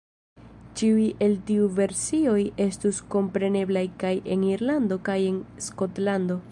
Ĉiuj el tiuj versioj estus kompreneblaj kaj en Irlando kaj en Skotlando.